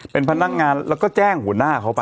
เป็นพนักงานแล้วก็แจ้งหัวหน้าเขาไป